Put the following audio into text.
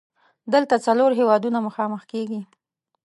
دلته څلور هیوادونه مخامخ کیږي.